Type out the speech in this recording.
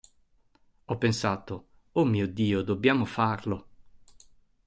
Ho pensato "Oh, mio Dio, dobbiamo farlo!